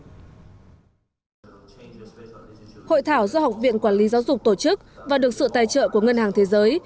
hội thảo do học viện quản lý giáo dục tổ chức và được sự tài trợ của ngân hàng thế giới